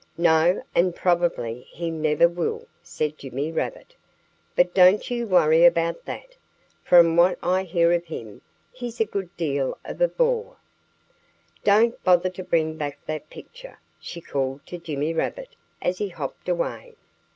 "No! And probably he never will," said Jimmy Rabbit. "But don't you worry about that! From what I hear of him, he's a good deal of a bore." "Don't bother to bring back that picture!" she called to Jimmy Rabbit as he hopped away.